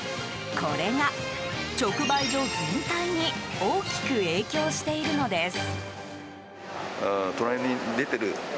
これが、直売所全体に大きく影響しているのです。